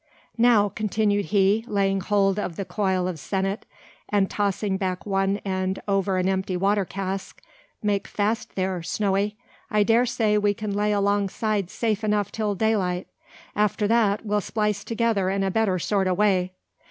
"Now," continued he, laying hold of the coil of sennit, and tossing back one end over an empty water cask. "Make fast there, Snowey! I dare say we can lay alongside safe enough till daylight! After that we'll splice together in a better sort o' way."